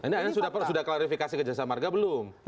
ini sudah klarifikasi ke jasa marga belum